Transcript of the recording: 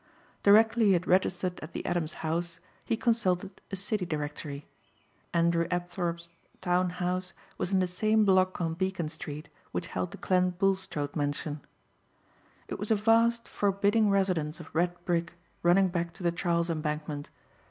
Directly he had registered at the Adams House he consulted a city directory. Andrew Apthorpe's town house was in the same block on Beacon street which held the Clent Bulstrode mansion. It was a vast, forbidding residence of red brick running back to the Charles embankment.